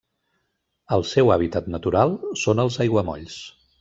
El seu hàbitat natural són els aiguamolls.